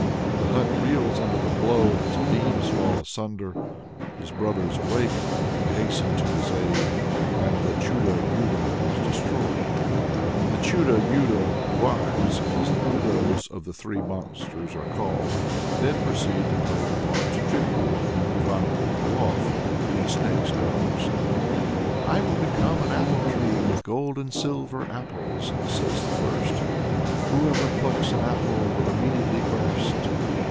The hut reels under the blow and its beams fall asunder; his brothers awake, and hasten to his aid, and the Chudo Yudo is destroyed. The "Chudo Yudo wives" as the widows of the three monsters are called, then proceed to play the parts attributed in "Ivan Popyalof" to the Snake's daughters. "I will become an apple tree with golden and silver apples," says the first; "whoever plucks an apple will immediately burst."